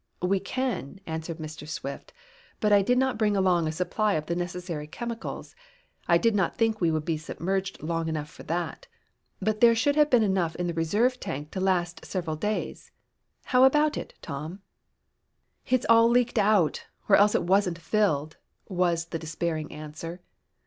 "We can," answered Mr. Swift, "but I did not bring along a supply of the necessary chemicals. I did not think we would be submerged long enough for that. But there should have been enough in the reserve tank to last several days. How about it, Tom?" "It's all leaked out, or else it wasn't filled," was the despairing answer.